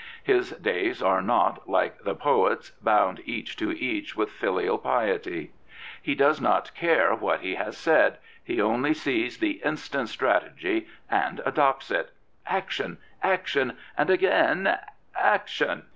His days are not, like the poet's, " bound each to each with ffial piety." He does not care what he has said: he only sees the instant strategy, and adopts it. Action! Action! And again Action!